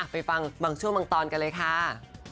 ไปฟังบางช่วงบางตอนกันเลยค่ะ